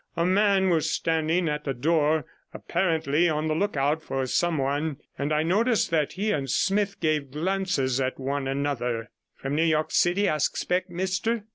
A man was standing at the door, apparently on the lookout for some one, and I noticed that he and Smith gave glances one to the other. 'From New York City, I expect, mister?'